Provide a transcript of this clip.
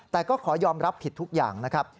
แต่ก็ขอยอมรับผิดทุกอย่างนะครับ